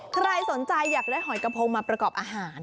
ใครสนใจอยากได้หอยกระพงมาประกอบอาหาร